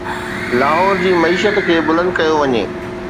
لاهور جي معيشت کي بلند ڪيو وڃي.